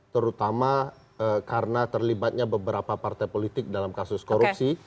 terutama karena terlibatnya beberapa partai politik dalam kasus korupsi